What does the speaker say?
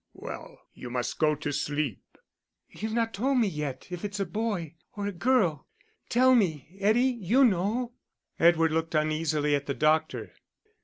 "Well, you must go to sleep." "You've not told me yet if it's a boy or a girl; tell me, Eddie, you know." Edward looked uneasily at the doctor.